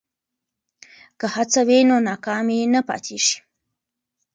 که هڅه وي نو ناکامي نه پاتیږي.